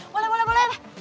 boleh boleh boleh